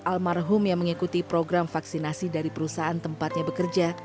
almarhum yang mengikuti program vaksinasi dari perusahaan tempatnya bekerja